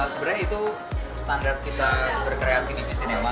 sebenarnya itu standar kita berkreasi di v cinema